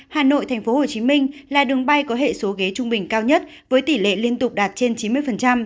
hà nội tp hcm là đường bay có hệ số ghế trung bình cao nhất với tỷ lệ liên tục đạt trên chín mươi